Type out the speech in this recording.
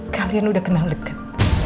kalian udah kenal deket